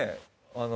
あの。